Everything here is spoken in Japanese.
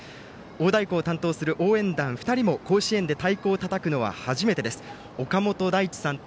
大太鼓を担当する応援団、２人も甲子園で太鼓をたたくのは初めてです。